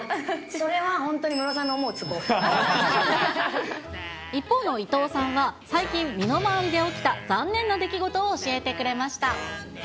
それは本当にム一方の伊藤さんは、最近、身の回りで起きたざんねんな出来事を教えてくれました。